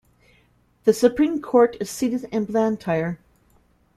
The Supreme Court is seated in Blantyre.